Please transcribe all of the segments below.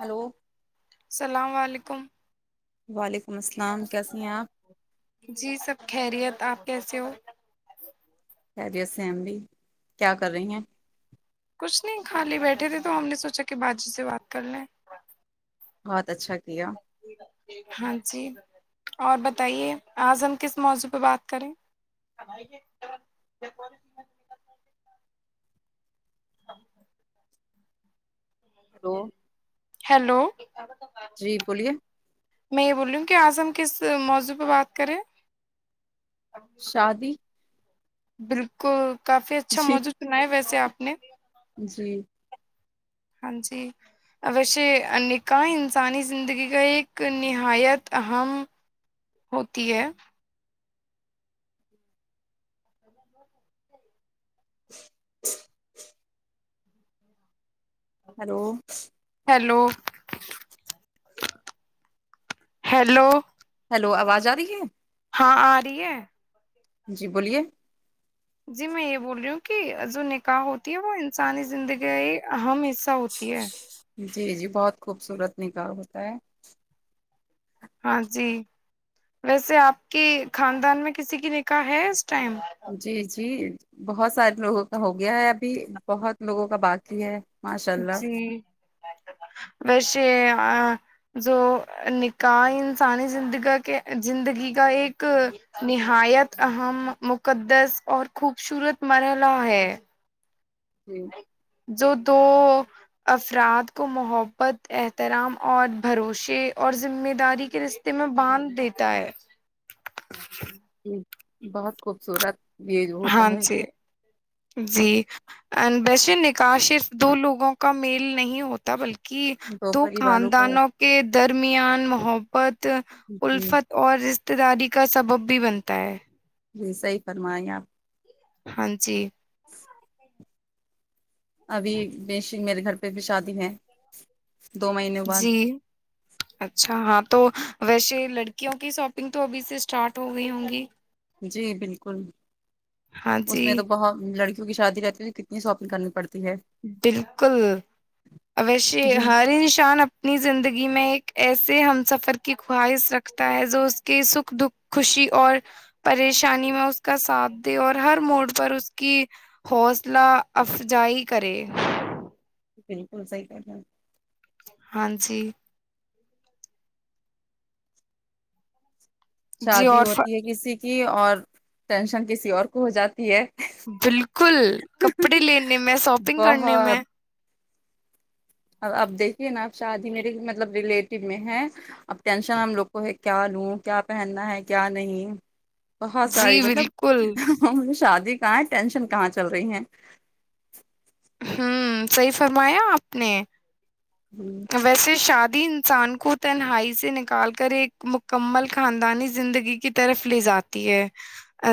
hello السلام علیکم وعلیکم ولیکم السلام کیسی ہیں آپ جی سب خیریت آپ کیسے ہو کیریر سم بھی کیا کر رہی ہیں کچھ نہیں کھالی بیٹھے تھے تو ہم نے سوچا کہ بجی سے بات کر لیں بہت اچھا کیا ہاں جی اور بتائیے آج ہم کس موضوع پہ بات کریں ہلو ہیلو [inaudible] جی بولیے میں یہ بول رہی ہوں کیا اعظم کس موضوع پہ بات کرے شادی برکو [unintelligible] کافی اچھا جی موجود سنا ہے ویس آپ میں جی ہاں جی ویشے نکاح انسانی زندگی کا ایک نہایت اہم ہوتی ہے [inaudible] ہلو ہیلو ہیلو ہلو آواز آ رہی ہے ہاں آ رہی ہے جی بولیے جی میں یہ بول رہی ہوں کہ جو نکاح ہوتی ہے وہ انسانی زندگی کا اہم ایسا ہوتی ہے جی جی بہت خوبصورت نگار ہوتا ہے ہاں جی ویسے آپ کی خاندان میں کسی کی نکاح ہے اس ٹائم جی جی بہت سارے لوگوں کا ہو گیا ہے ابھی بہت لوگوں کا باقی ہے ماشاء اللہ جی ویسے جو نکاح انسانی زندگ کے زندگی کا ایک نہایت اہم مقدس اور خوبصورت مرحلہ ہے ہوں جو دو افراد کو محبت احترام اور بھروسے اور ذمہ داری کے رشتے میں باندھ دیتا ہے بہت خوبصورت یہ ہوتا ہاں ہے جی جی ا ویسے نکاح صرف دو لوگوں کا میل نہیں ہوتا بلکہ کہ دو پریواروں کا خاندانوں کے درمیان محبت جی الفت اور ابتداری کا سبب بھی بنتا ہے جی صحیح فرمائیں آپ ہاں جی ابھی بش میرے گھر پہ بھی شادی ہیں جی اچھا ہاں تو ویسے لڑکیوں کی شاپنگ تو ابھی سے اسٹارٹ ہو گئی ہوں گی جی بالکل ہاں اس میں جی تو بہت لڑکی کی شادی رہتی تو کتنی سوپن کرنی پڑتی ہے بالکل اش جی ہاری نشان اپنی زندگی میں ایک ایسے ہم سفر کی خواہش رکھتا ہے جو اس کے سکھ دکھ خوشی اور پریشانی میں اس کا ساتھ دے اور ہر موڈ پر اس کی حوصلہ افجائی کریں بالکل سحی کر ہے ہاں جی جی شادی اور ہوتی ف- ہے کسی کی اور ٹینشن کسی اور کو ہو جاتی ہے بالکل کپڑے لینے میں شاپنگ کرنے میں ا اب دیکھیے نا اب شادی میرے مطلب ریلیٹو میں ہے اب ٹینشن ہم لوگ کو ہے کیا لوں کیا پہننا ہے کیا نہیں بہت ساری جی مطلب بالکل م شادی کہاں ہے ٹینشن کہاں چل رہی ہیں ہوں صحی فرمایا آپ نے تو ویسے شادی انسان کو تنہائی سے نکال کر ایک مکمل خاندانی زندگی کی طرف لے جاتی ہے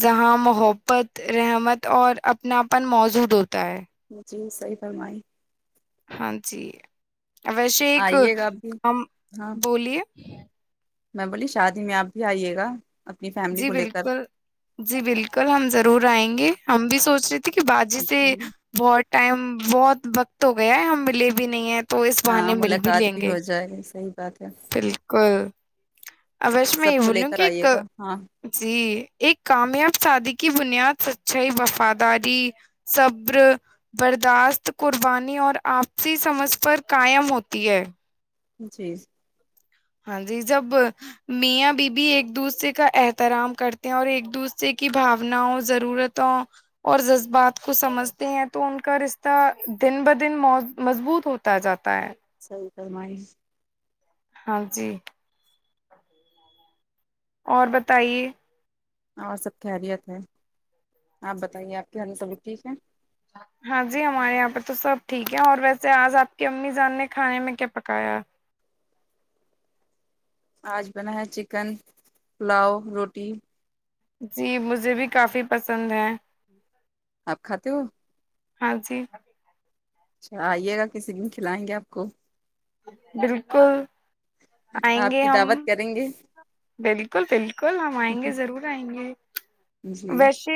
جہاں محبت رحمت اور اپناپن موجود ہوتا ہے مھے صحی فرمائی ہاں جی ویسے ایک آئیے گا اب بھی ہم ہاں بولیے میں بولی شادی میں آپ بھی آئیے گا اپنی فیملی جی کو لے کر بالکل جی بالکل کل ہم ضرور آئیں گے ہم بھی سوچ رہے تھ بج سے بٹ ٹائم بہت وقت ہو گیا ہے ہم م لے بھی نہیں ہیں تو اس ہاں بہانے مل بھی ملاقات لیں گے ہو جائے گی صحیح بات ہے بالکل ابش میں سب یہ کو لے بولوں کر کہ ایک آئیے گا ہاں جی ایک کامیاب شادی کی بنیاد سچائی وفاداری صبر برداشت قربانی اور آپسی سمجھ پر قائم ہوتی ہے جی ہاں جی جب میاں بیوی ایک دوسرے کا احترام کرتے ہیں اور ایک دوسرے کی بھوناؤں ضرورتوں اور جذبات کو سمجھتے ہیں تو ان کا رشتہ دن ب دن مو مضبوط ہوتا جاتا ہے سر کرماری ہاں جی اور بتائیے اور سب خیریت ہے آپ بتائیے آپ کے گھر سلک ٹھیک ہے ہاں جی ہمارے یہاں پہ تو سب ٹھیک ہے اور ویسے آج آپ کی امی جان نے کھانے میں کیا پکایا آج بنا ہے چکن پلاؤ روٹی جی مجھے بھی کافی پسند ہے آپ کھاتے ہو ہاں جی اچھا آئیے گا کسی دن کھلائیں گے آپ کو بالکل آئیں آپ گے کی ہم دعوت کریں گے بالکل بالکل ہم آئیں گے ضرور آئیں گے جی ویسے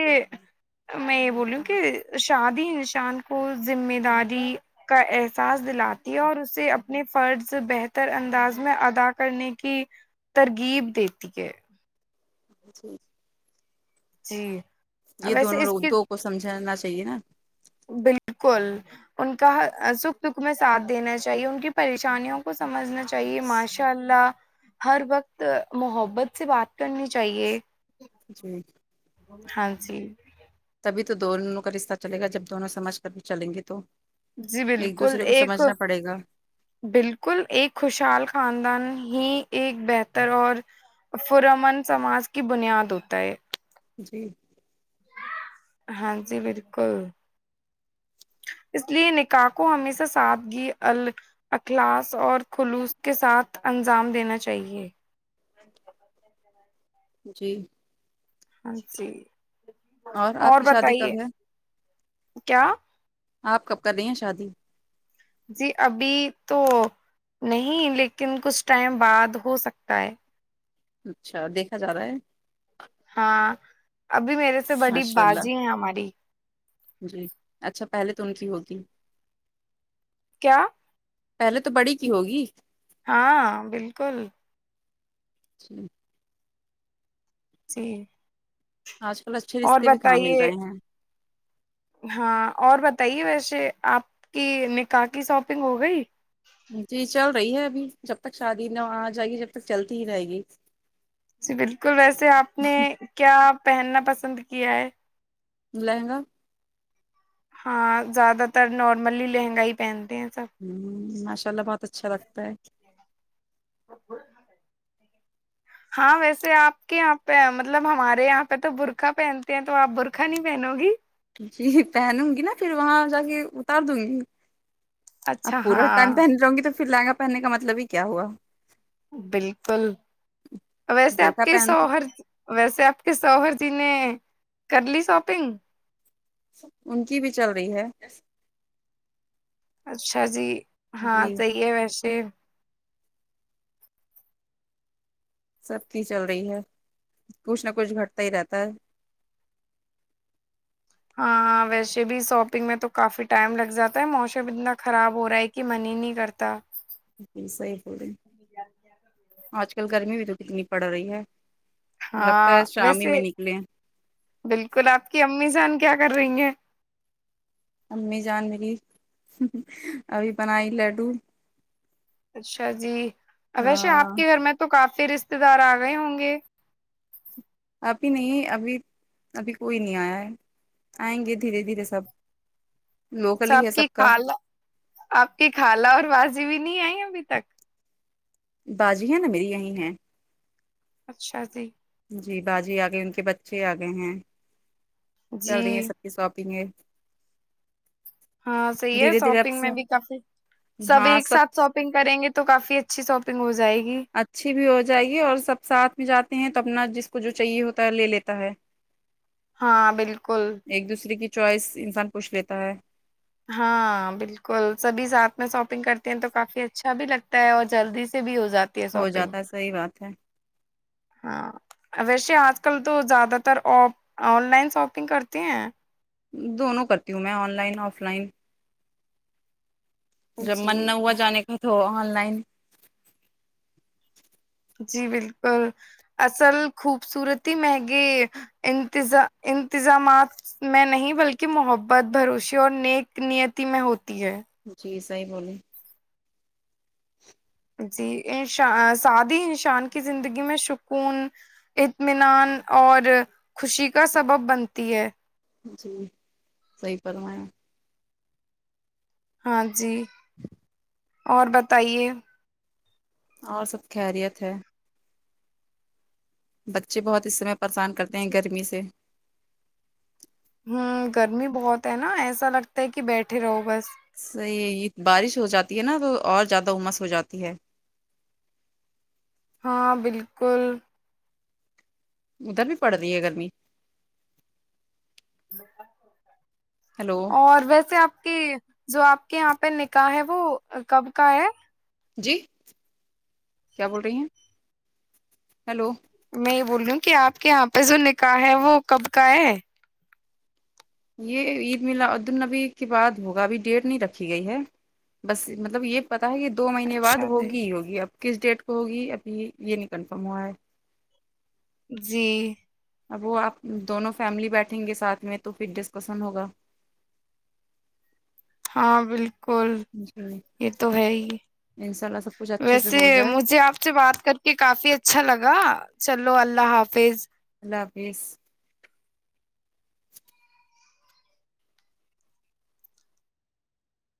میں یہ بولوں کہ شادی انسان کو ذمہ داری کا احساس دلاتی ہے اور اسے اپنے فرض بہتر انداز میں ادا کرنے کی ترغیب دیتی ہے [unintelligible] جی جی یہ دونوں ویسے اس کے ردوں کو سمجھ جنا چاہیے نا بالکل ان کا سکھ دکھ میں ساتھ دینا چاہیے ان کی پریشانیوں کو سمجھنا چاہیے چاہے ماشاء اللہ ہر وقت محبت سے بات کرنی چاہیے جی ہاں جی تبھی تو دونوں کا رشتہ چلے گا جب دونوں سمجھ کر بھی چلیں گے تو جی ایک بالکل دوسرے کو ایک سمجھنا پڑے گا بالکل ایک خوشحال خاندان ہی ایک بہتر اور فرمن سماج کی بنیاد ہوتا ہے جی ہاں جی بالکل اس لیے نکاح کو ہمیشہ سادگی ال اخلاص اور خلوص کے ساتھ انجام دینا چاہیے جی جی آپ اور کی شادی بتائیے کب ہے کیا آپ کب کر رہے ہیں شادی جی ابھی تو نہیں لیکن کچھ ٹائم بعد ہو سکتا ہے اچھا دیکھا جا رہا ہے ہاں ابھی میرے سے بڑی ماشاء بازی اللہ ہے ہماری جی اچھا پہلے تو ان کی ہوتی کیا پہلے تو بڑی کی ہوگی ہاں بالکل جٹھ جی آج کل اچھے اور رشتے بھی کہاں مل بتائیے رہے ہیں ہاں اور بتائیے ویسے آپ کی نکاح کی شاپنگ ہو گئی جی چل رہی ہے ابھی جب تک شادی نہ آ جائیی جب تک چلتی ہی رہے گی جی بالکل ویسے آپ نے کیا پہننا پسند کیا ہے لہنگا ہاں زیادہ تر نارملی لہنگائی پہنتے ہیں سب ہ ماشاء اللہ بہت اچھا لگتا ہے ب ہاں ویسے آپ کے یہاں پہ مطلب ہمارے یہاں پہ تو برخہ پہنتے ہیں تو آپ برقہ نہیں پہنو گی ج پہنوں گی نا پھر وہاں جا کے اتار دوں گی اچھا آپ پورا ٹائم ہاں پہ نہیں رہوں گی تو پھر لہنگا پہننے کا مطلب ہی کیا ہوا بالکل ویسے آپ برقع کے پہن سورد ویسے آپ کے سوہر جی نے کرلی شاپنگ ان کی بھی چل رہی ہے اچھا جی ہاں جی صحی ہے ویسے سب کی چل رہی ہے کچھ نہ کچھ گھٹتا ہی رہتا ہے ہاں ویسے بھی شاپنگ میں تو کافی ٹائم لگ جاتا ہے موسم اتنا خراب ہو رہا ہے کہ من ہی نہیں کرتا ج صحیح ہو رہے آج کل گرمی بھی تو کتنی پڑ رہی ہے ہاں لگتا ہے شام ہی ویسے میں نکلے بالکل آپ کی امی سےان کیا کر رہی ہیں امی جان ملی ابھی بنائی لڈو اچھا جی ویسے آپ ہاں کے گھر میں تو کافی پھر رشتے دار آ گئے ہوں گے ابھی نہیں ابھی ابھی کوئی نہیں آیا ہے آئیں گے دھیرے دھیرے سب لوکل اچا ہی ہے آپ کی سب کا خال آپ کی خالہ اور واز بھی نہیں آئی ابھی تک بازی ہے نا میری یہیں ہے اچھا جی جی باجی آگئے ان کے بچے آگئے ہیں چل رہی ہیں جی سبی سوپیں گ ہاں صحیح ہے دھیرے دھیرے شاپنگ میں اب بھی کافی سب ایک ساتھ شاپنگ کریں گے تو کافی اچھی شاپگ ہو جائے گی اچھی بھی ہو جائے گی اور سب ساتھ بھی جاتے ہیں تو اپنا جس کو جو چاہیے ہوتا ہے لے لیتا ہے ہاں بالکل ایک دوسرے کی چوائس انسان پوچھ لیتا ہے ہاں بالکل سبھی ساتھ میں شاپنگ کرتے ہیں تو کافی اچھا بھی لگتا ہے اور جلدی سے بھی ہو جاتی ہے ہو شاپنگ جاتا ہے صحیح بات اچھا [unintelligible] ہاں ویسے آج کل تو زیادہ تر آن لائن شاپنگ کرتی ہیں [unintelligible] دونوں کرتی ہوں میں آن لائن آف لائن جب جی من نہ ہوا جانے کا تو نائن [unintelligible] جی بالکل اصل خوبصورتی مہنگے انتظا انتظامات میں نہیں بلکہ محبت بھروشی اور نیک نیتی میں ہوتی [unintelligible] جی [unintelligible] جائی بولے [unintelligible] جی انشا سادی انسان کی زندگی میں سکون اطمینان اور خوشی کا سبب بنتی ہے جی صحی پرمایا [unintelligible] ہاں جی [unintelligible] اور بتائیے اور سب خیریت ہے بچے بہت اس سمے پریشان کرتے ہیں گرمی سے ہوں گرمی بہت ہے نا ایسا لگتا ہے کہ بیٹھے رہو بس صحیح یہ بارش ہو جاتی ہے نا تو اور زیادہ امس ہو جاتی ہے ہاں بالکل [unintelligible] ادھر بھی پڑ رہ ہے گرمی [unintelligible] ا ہیلو [unintelligible] اور ویسے آپ کی جو آپ کے یہاں پہ نکاح ہے وہ کب کا ہے جی کیا بول رہی ہیں ہیلو [unintelligible] میں یہ بول رہی ہوں کہ آپ کے یہاں پہ جو نکاح ہے وہ کب کا ہے یہ عید ملا عد النبی کے بعد ہوگا ابھی ڈیٹ نہیں رکھی گئی ہے بس مطلب یہ پت کہ دو مہینے بعد اچھا جی ہوگی ہی ہوگی اب [unintelligible] کس ڈیٹ کو ہوگی ابھی یہ نہیں کنفرم ہوا ہے [unintelligible] جی [unintelligible] اب وہ آپ دونوں فیملی بیٹھیں گے ساتھ میں تو پھر ڈسکسن ہوگا ہاں بالکل [unintelligible] کو یہ تو ہے ہی ان شاء اللہ سب کچھ اچھے سے ویسے ہو جائے مجھے آپ سے بات کر کے کافی اچھا لگا [unintelligible] چلو اللہ حافظ [unintelligible] اللہ حافظ [unintelligible]